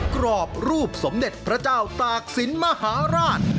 กรอบรูปสมเด็จพระเจ้าตากศิลป์มหาราช